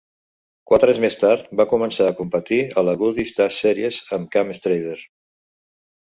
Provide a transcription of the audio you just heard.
Quatre anys més tard, va començar a competir a les Goody's Dash Series amb Cam Strader.